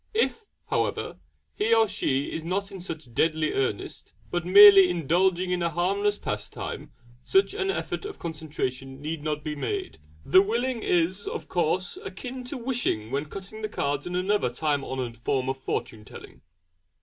If, however, he or she is not in such deadly earnest, but merely indulging in a harmless pastime, such an effort of concentration need not be made. The 'willing' is, of course, akin to 'wishing' when cutting the cards in another time honoured form of fortune telling.